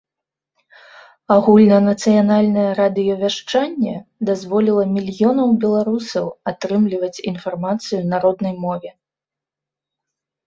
Агульнанацыянальнае радыёвяшчанне дазволіла мільёнам беларусаў атрымліваць інфармацыю на роднай мове.